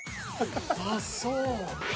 あっそう。